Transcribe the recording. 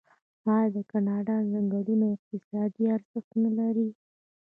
آیا د کاناډا ځنګلونه اقتصادي ارزښت نلري؟